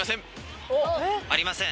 ありません。